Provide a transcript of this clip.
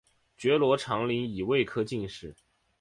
觉罗长麟乙未科进士。